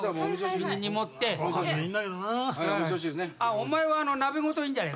お前は鍋ごといいんじゃねえか？